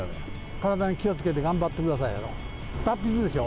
体に気をつけて頑張ってください、達筆でしょ。